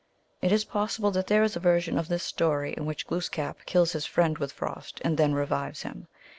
2 It is possible that there is a version of this story in which Glooskap kills his friend with frost, and then revives him.